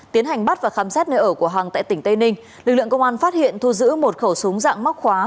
tiến hành bắt và khám xét nơi ở của hằng tại tỉnh tây ninh lực lượng công an phát hiện thu giữ một khẩu súng dạng móc khóa